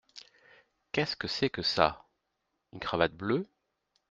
Qu’est-ce que c’est que ça ? une cravate bleue !